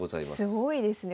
すごいですね。